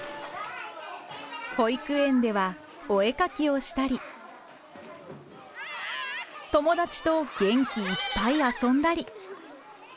保育園ではお絵描きをしたり友達と元気いっぱい遊んだり。